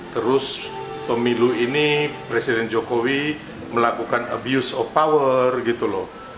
terus pemilu ini presiden jokowi melakukan abuse of power gitu loh